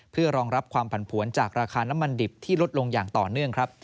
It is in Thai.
เพื่อรองรับความผันผวนจากราคาน้ำมันดิบที่ลดลงอย่างต่อเนื่องครับ